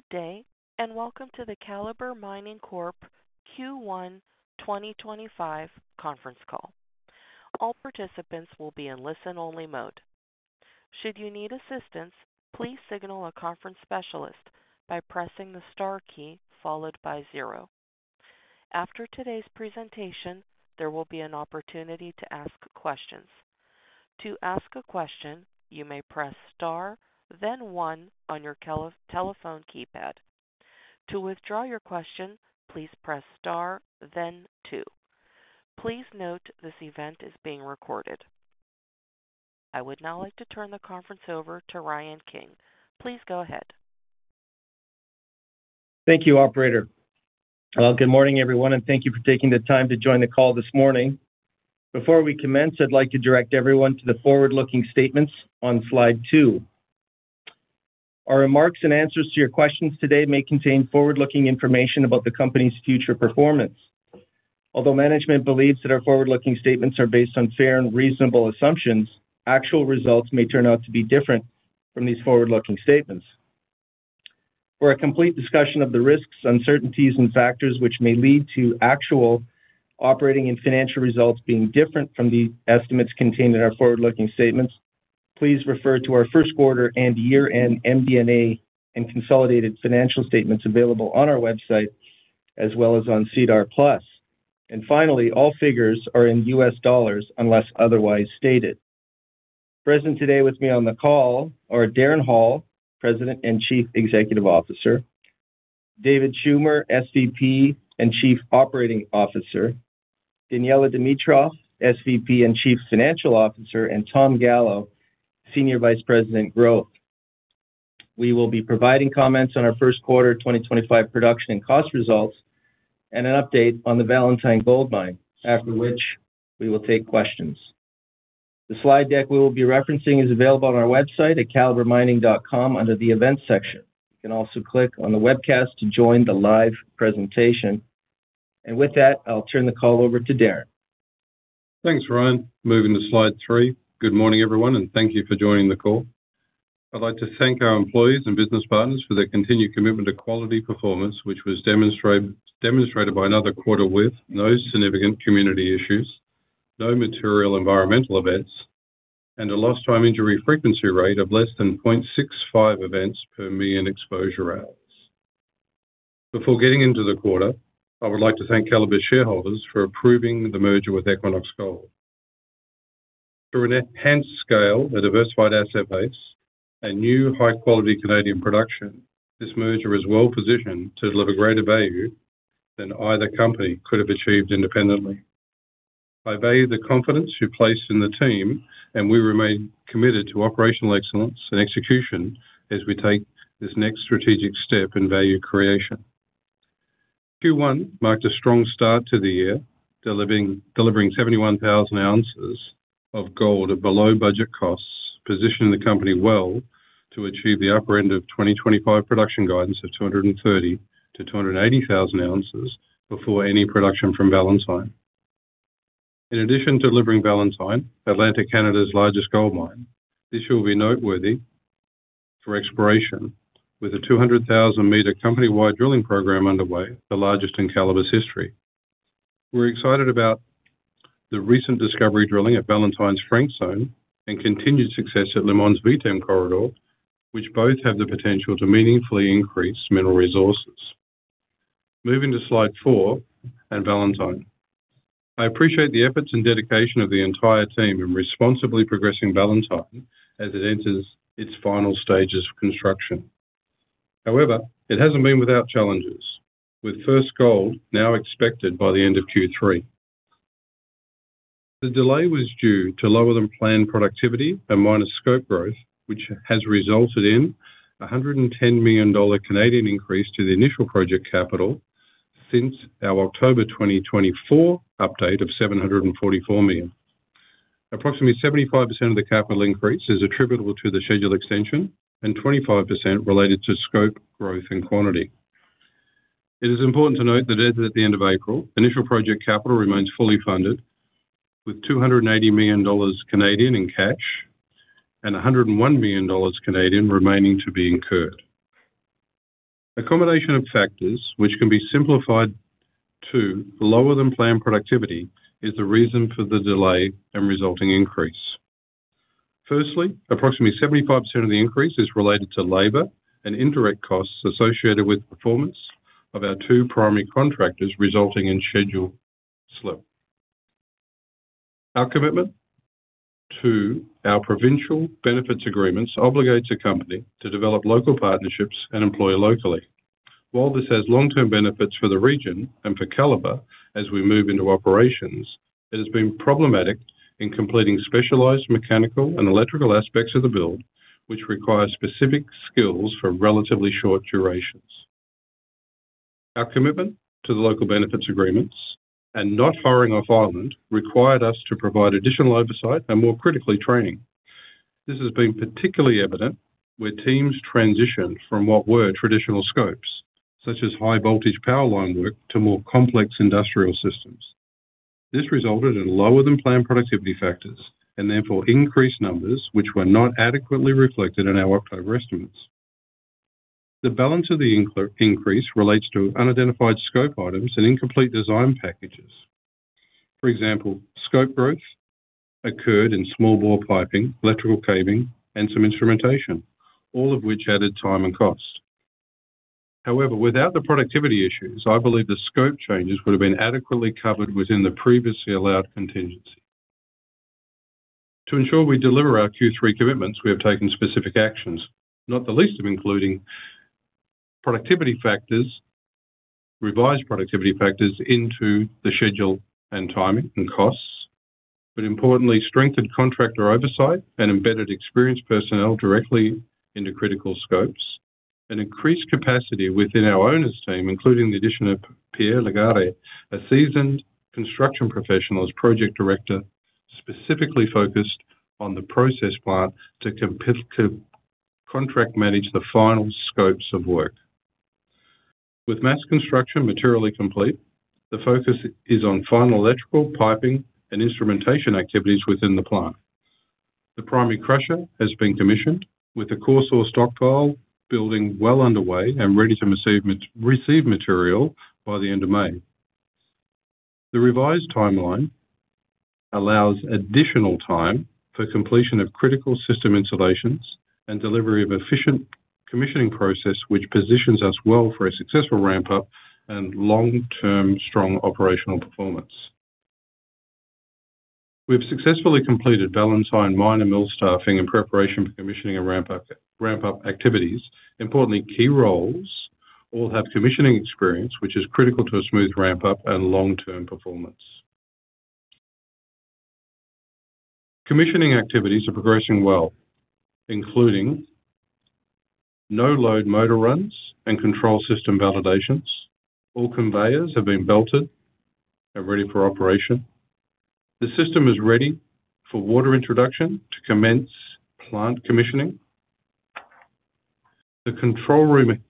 Good day, and welcome to the Calibre Mining Q1 2025 conference call. All participants will be in listen-only mode. Should you need assistance, please signal a conference specialist by pressing the star key followed by zero. After today's presentation, there will be an opportunity to ask questions. To ask a question, you may press star, then one on your telephone keypad. To withdraw your question, please press star, then two. Please note this event is being recorded. I would now like to turn the conference over to Ryan King. Please go ahead. Thank you, Operator. Good morning, everyone, and thank you for taking the time to join the call this morning. Before we commence, I'd like to direct everyone to the forward-looking statements on slide two. Our remarks and answers to your questions today may contain forward-looking information about the company's future performance. Although management believes that our forward-looking statements are based on fair and reasonable assumptions, actual results may turn out to be different from these forward-looking statements. For a complete discussion of the risks, uncertainties, and factors which may lead to actual operating and financial results being different from the estimates contained in our forward-looking statements, please refer to our first quarter and year-end MD&A and consolidated financial statements available on our website as well as on CDAR Plus. Finally, all figures are in U.S. dollars unless otherwise stated. Present today with me on the call are Darren Hall, President and Chief Executive Officer, David Schumer, SVP and Chief Operating Officer, Daniella Dimitrov, SVP and Chief Financial Officer, and Tom Gallo, Senior Vice President Growth. We will be providing comments on our first quarter 2025 production and cost results and an update on the Valentine Gold Mine, after which we will take questions. The slide deck we will be referencing is available on our website at calibremining.com under the events section. You can also click on the webcast to join the live presentation. I will turn the call over to Darren. Thanks, Ryan. Moving to slide three. Good morning, everyone, and thank you for joining the call. I'd like to thank our employees and business partners for their continued commitment to quality performance, which was demonstrated by another quarter with no significant community issues, no material environmental events, and a lost-time injury frequency rate of less than 0.65 events per million exposure hours. Before getting into the quarter, I would like to thank Calibre's shareholders for approving the merger with Equinox Gold. Through an enhanced scale, a diversified asset base, and new high-quality Canadian production, this merger is well-positioned to deliver greater value than either company could have achieved independently. I value the confidence you placed in the team, and we remain committed to operational excellence and execution as we take this next strategic step in value creation. Q1 marked a strong start to the year, delivering 71,000 ounces of gold at below budget costs, positioning the company well to achieve the upper end of 2025 production guidance of 230,000-280,000 ounces before any production from Valentine. In addition to delivering Valentine, Atlantic Canada's largest gold mine, this year will be noteworthy for exploration, with a 200,000-metre company-wide drilling program underway, the largest in Calibre's history. We're excited about the recent discovery drilling at Valentine's Frankstone and continued success at Le Mans VTEM Corridor, which both have the potential to meaningfully increase mineral resources. Moving to slide four and Valentine. I appreciate the efforts and dedication of the entire team in responsibly progressing Valentine as it enters its final stages of construction. However, it hasn't been without challenges, with first gold now expected by the end of Q3. The delay was due to lower-than-planned productivity and minor scope growth, which has resulted in a 110 million Canadian dollars increase to the initial project capital since our October 2024 update of 744 million. Approximately 75% of the capital increase is attributable to the schedule extension and 25% related to scope growth and quantity. It is important to note that as of the end of April, initial project capital remains fully funded, with 280 million Canadian dollars in cash and 101 million Canadian dollars remaining to be incurred. A combination of factors, which can be simplified to lower-than-planned productivity, is the reason for the delay and resulting increase. Firstly, approximately 75% of the increase is related to labor and indirect costs associated with the performance of our two primary contractors, resulting in schedule slip. Our commitment to our provincial benefits agreements obligates a company to develop local partnerships and employ locally. While this has long-term benefits for the region and for Calibre as we move into operations, it has been problematic in completing specialized mechanical and electrical aspects of the build, which require specific skills for relatively short durations. Our commitment to the local benefits agreements and not hiring off island required us to provide additional oversight and, more critically, training. This has been particularly evident where teams transitioned from what were traditional scopes, such as high-voltage power line work, to more complex industrial systems. This resulted in lower-than-planned productivity factors and therefore increased numbers which were not adequately reflected in our October estimates. The balance of the increase relates to unidentified scope items and incomplete design packages. For example, scope growth occurred in small bore piping, electrical cabling, and some instrumentation, all of which added time and cost. However, without the productivity issues, I believe the scope changes would have been adequately covered within the previously allowed contingency. To ensure we deliver our Q3 commitments, we have taken specific actions, not the least of including revised productivity factors into the schedule and timing and costs, but importantly, strengthened contractor oversight and embedded experienced personnel directly into critical scopes, and increased capacity within our owners' team, including the addition of Pierre Lagarde, a seasoned construction professional as project director, specifically focused on the process plant to contract manage the final scopes of work. With mass construction materially complete, the focus is on final electrical, piping, and instrumentation activities within the plant. The primary crusher has been commissioned, with the coarse ore stockpile building well underway and ready to receive material by the end of May. The revised timeline allows additional time for completion of critical system installations and delivery of efficient commissioning process, which positions us well for a successful ramp-up and long-term strong operational performance. We've successfully completed Valentine Miner Mill staffing in preparation for commissioning and ramp-up activities. Importantly, key roles all have commissioning experience, which is critical to a smooth ramp-up and long-term performance. Commissioning activities are progressing well, including no-load motor runs and control system validations. All conveyors have been belted and ready for operation. The system is ready for water introduction to commence plant commissioning. The control room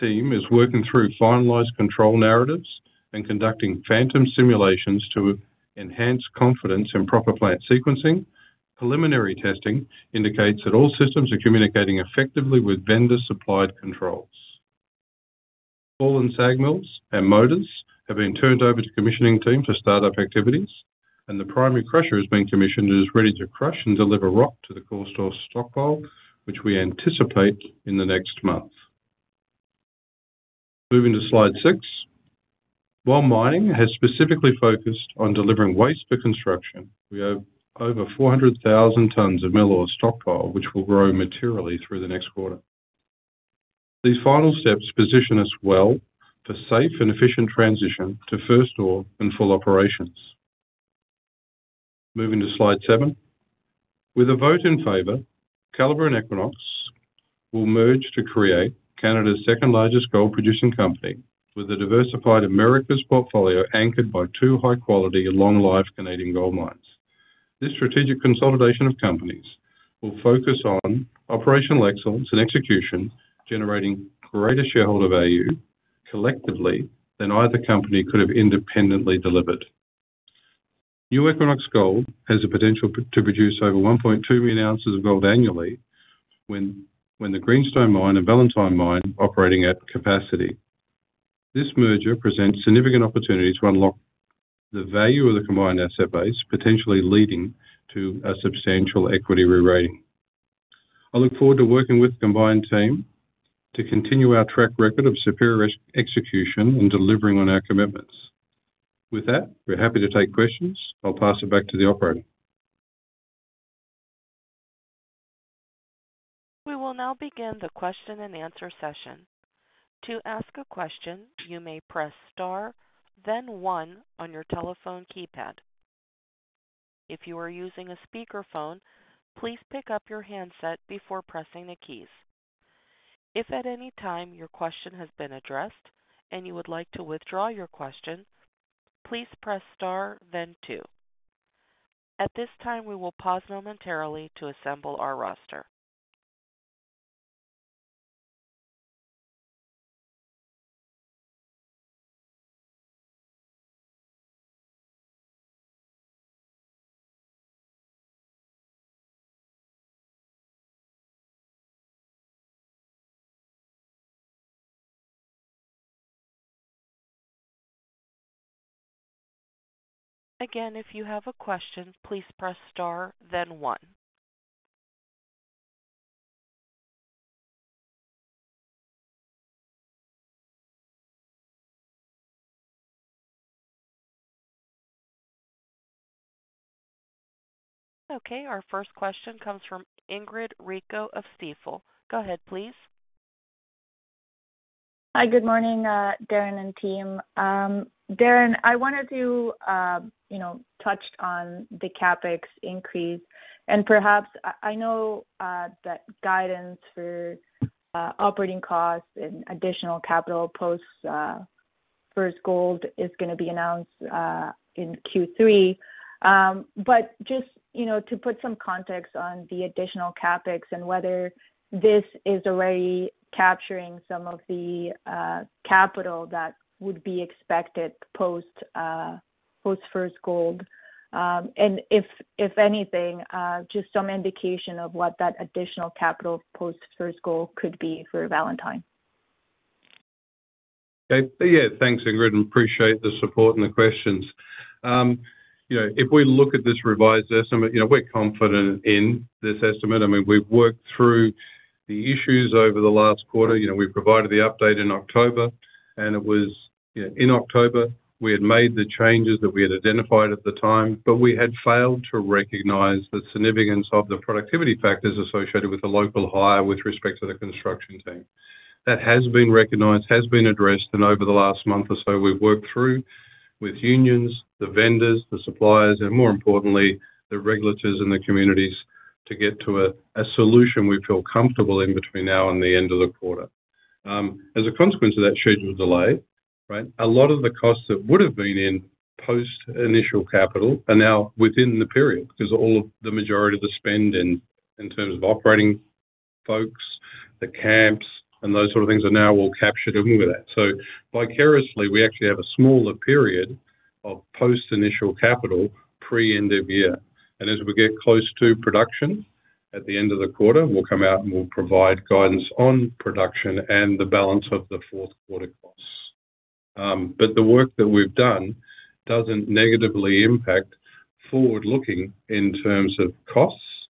team is working through finalised control narratives and conducting phantom simulations to enhance confidence in proper plant sequencing. Preliminary testing indicates that all systems are communicating effectively with vendor-supplied controls. Ball and SAG mills and motors have been turned over to the commissioning team to start up activities, and the primary crusher has been commissioned and is ready to crush and deliver rock to the coarse ore stockpile, which we anticipate in the next month. Moving to slide six. While mining has specifically focused on delivering waste for construction, we have over 400,000 tonnes of mill ore stockpiled, which will grow materially through the next quarter. These final steps position us well for safe and efficient transition to first ore and full operations. Moving to slide seven. With a vote in favor, Calibre and Equinox will merge to create Canada's second-largest gold-producing company, with a diversified Americas portfolio anchored by two high-quality, long-life Canadian gold mines. This strategic consolidation of companies will focus on operational excellence and execution, generating greater shareholder value collectively than either company could have independently delivered. New Equinox Gold has the potential to produce over 1.2 million ounces of gold annually when the Greenstein Mine and Valentine Mine operate at capacity. This merger presents significant opportunities to unlock the value of the combined asset base, potentially leading to a substantial equity re-rating. I look forward to working with the combined team to continue our track record of superior execution in delivering on our commitments. With that, we're happy to take questions. I'll pass it back to the Operator. We will now begin the question and answer session. To ask a question, you may press star, then one on your telephone keypad. If you are using a speakerphone, please pick up your handset before pressing the keys. If at any time your question has been addressed and you would like to withdraw your question, please press star, then two. At this time, we will pause momentarily to assemble our roster. Again, if you have a question, please press star, then one. Okay, our first question comes from Ingrid Rico of Stifel. Go ahead, please. Hi, good morning, Darren and team. Darren, I wanted to touch on the CapEx increase. Perhaps I know that guidance for operating costs and additional capital post-first gold is going to be announced in Q3. Just to put some context on the additional CapEx and whether this is already capturing some of the capital that would be expected post-first gold. If anything, just some indication of what that additional capital post-first gold could be for Valentine. Okay. Yeah, thanks, Ingrid. I appreciate the support and the questions. If we look at this revised estimate, we're confident in this estimate. I mean, we've worked through the issues over the last quarter. We provided the update in October, and it was in October, we had made the changes that we had identified at the time, but we had failed to recognize the significance of the productivity factors associated with the local hire with respect to the construction team. That has been recognized, has been addressed, and over the last month or so, we've worked through with unions, the vendors, the suppliers, and more importantly, the regulators and the communities to get to a solution we feel comfortable in between now and the end of the quarter. As a consequence of that schedule delay, a lot of the costs that would have been in post-initial capital are now within the period because all of the majority of the spend in terms of operating folks, the camps, and those sort of things are now all captured in with that. Vicariously, we actually have a smaller period of post-initial capital pre-end of year. As we get close to production at the end of the quarter, we'll come out and we'll provide guidance on production and the balance of the fourth quarter costs. The work that we've done doesn't negatively impact forward-looking in terms of costs.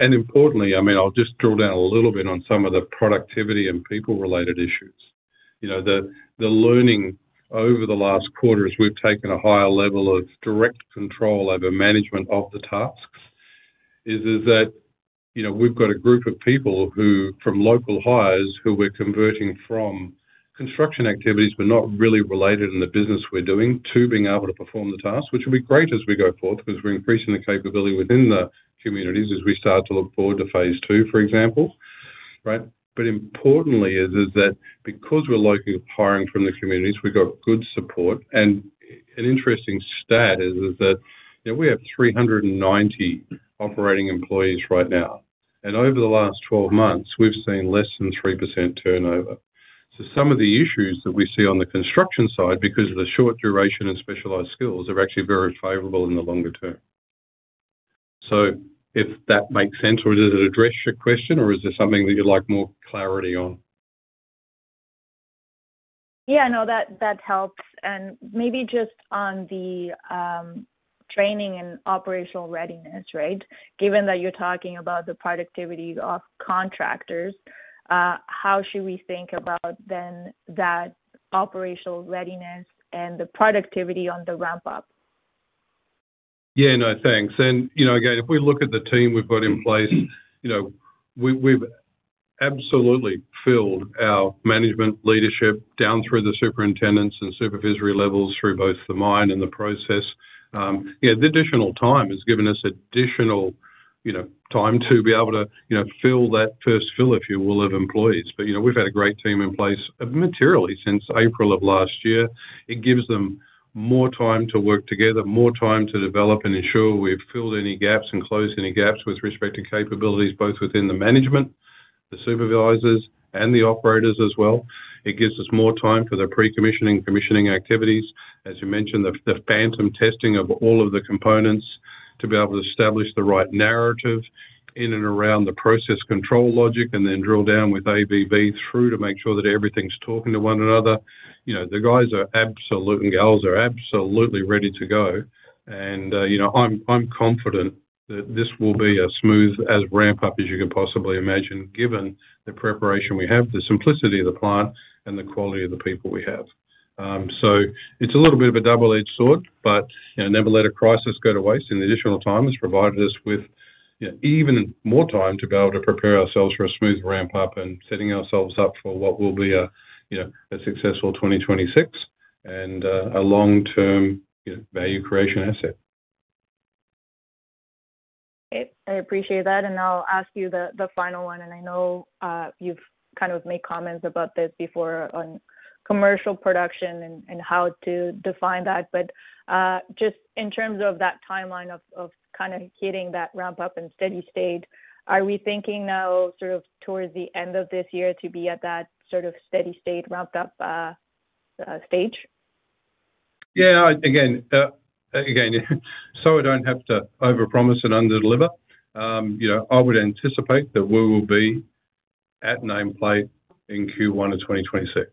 Importantly, I mean, I'll just draw down a little bit on some of the productivity and people-related issues. The learning over the last quarter as we've taken a higher level of direct control over management of the tasks is that we've got a group of people from local hires who we're converting from construction activities, but not really related in the business we're doing, to being able to perform the tasks, which will be great as we go forth because we're increasing the capability within the communities as we start to look forward to phase two, for example. Importantly, because we're locally hiring from the communities, we've got good support. An interesting stat is that we have 390 operating employees right now. Over the last 12 months, we've seen less than 3% turnover. Some of the issues that we see on the construction side because of the short duration and specialized skills are actually very favorable in the longer-term. If that makes sense, or does it address your question, or is there something that you'd like more clarity on? Yeah, no, that helps. Maybe just on the training and operational readiness, right? Given that you're talking about the productivity of contractors, how should we think about then that operational readiness and the productivity on the ramp-up? Yeah, no, thanks. If we look at the team we've got in place, we've absolutely filled our management leadership down through the superintendents and supervisory levels through both the mine and the process. The additional time has given us additional time to be able to fill that first fill, if you will, of employees. We've had a great team in place materially since April of last year. It gives them more time to work together, more time to develop and ensure we've filled any gaps and closed any gaps with respect to capabilities, both within the management, the supervisors, and the operators as well. It gives us more time for the pre-commissioning and commissioning activities, as you mentioned, the phantom testing of all of the components to be able to establish the right narrative in and around the process control logic and then drill down with ABV through to make sure that everything's talking to one another. The guys and gals are absolutely ready to go. I am confident that this will be as smooth a ramp-up as you can possibly imagine, given the preparation we have, the simplicity of the plant, and the quality of the people we have. It is a little bit of a double-edged sword, but never let a crisis go to waste. The additional time has provided us with even more time to be able to prepare ourselves for a smooth ramp-up and setting ourselves up for what will be a successful 2026 and a long-term value creation asset. Okay, I appreciate that. I'll ask you the final one. I know you've kind of made comments about this before on commercial production and how to define that. Just in terms of that timeline of kind of hitting that ramp-up and steady state, are we thinking now sort of towards the end of this year to be at that sort of steady state ramp-up stage? Yeah, again, so I do not have to overpromise and underdeliver, I would anticipate that we will be at nameplate in Q1 of 2026. And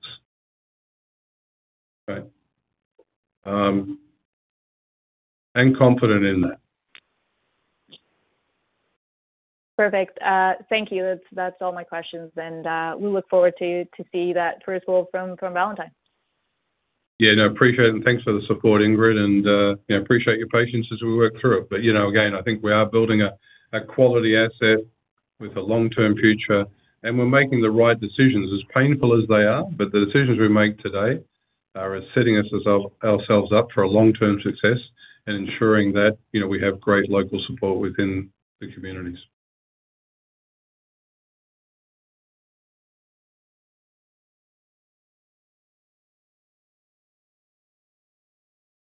confident in that. Perfect. Thank you. That is all my questions. We look forward to seeing that first wall from Valentine. Yeah, no, appreciate it. Thanks for the support, Ingrid. I appreciate your patience as we work through it. I think we are building a quality asset with a long-term future. We are making the right decisions, as painful as they are, but the decisions we make today are setting ourselves up for long-term success and ensuring that we have great local support within the communities.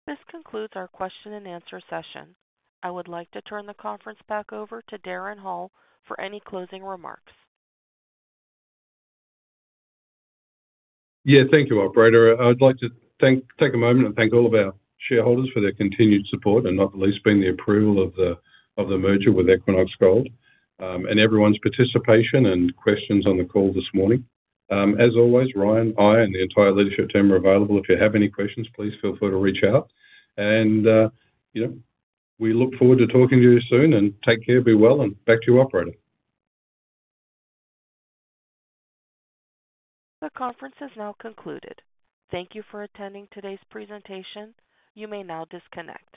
This concludes our question and answer session. I would like to turn the conference back over to Darren Hall for any closing remarks. Yeah, thank you, Operator. I'd like to take a moment and thank all of our shareholders for their continued support, and not least being the approval of the merger with Equinox Gold, and everyone's participation and questions on the call this morning. As always, Ryan, I, and the entire leadership team are available. If you have any questions, please feel free to reach out. We look forward to talking to you soon. Take care, be well, and back to you, Operator. The conference is now concluded. Thank you for attending today's presentation. You may now disconnect.